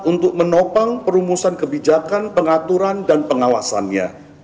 untuk menopang perumusan kebijakan pengaturan dan pengawasannya